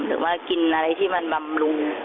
หรือว่ากินอะไรที่มันบำรุง